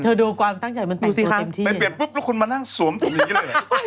เธอดูความตั้งใจมันแต่งตัวเต็มที่นี่คะดูสิครับไปเปลี่ยนปุ๊ปแล้วคุณมานั่งสวมตรงนี้แหละ